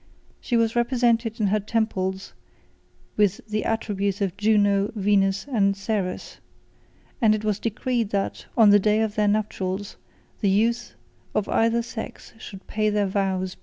She was represented in her temples, with the attributes of Juno, Venus, and Ceres; and it was decreed, that, on the day of their nuptials, the youth of either sex should pay their vows before the altar of their chaste patroness.